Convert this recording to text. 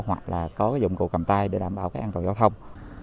hoặc là có dụng cụ cầm tay để đảm bảo cái an toàn giao thông